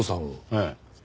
ええ。